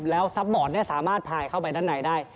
แล้วซัพบอร์ดสามารถพายเข้าไปด้านในได้